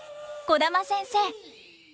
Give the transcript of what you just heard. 児玉先生。